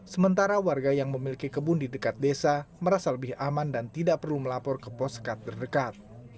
sementara warga yang memiliki kebun di dekat desa merasa lebih aman dan tidak perlu melapor ke poskat terdekat